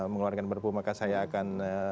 mengeluarkan perpu maka saya akan